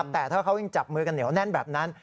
แต่ถ้าเขายังจับมือกันเหนียวแน่นแบบนั้น